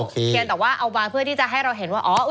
เพียงแต่ว่าเอามาเพื่อที่จะให้เราเห็นว่าอ๋อ